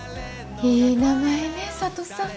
いい名前ね佐都さん。